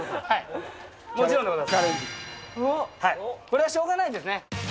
これはしょうがないですね。